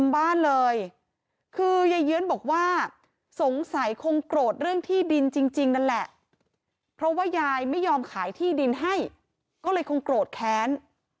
บ้านเลยคือยายเยื้อนบอกว่าสงสัยคงโกรธเรื่องที่ดินจริงนั่นแหละเพราะว่ายายไม่ยอมขายที่ดินให้ก็เลยคงโกรธแค้น